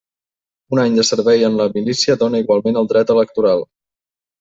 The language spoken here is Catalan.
Un any de servei en la milícia dóna igualment el dret electoral.